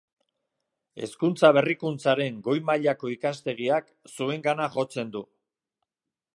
Hezkuntza Berrikuntzaren Goi Mailako Ikastegiak zuengana jotzen du.